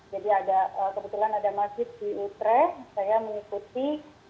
jadi ada kebetulan ada masjid di utrecht saya mengikuti